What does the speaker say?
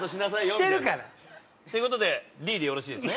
してるから。という事でＤでよろしいですね？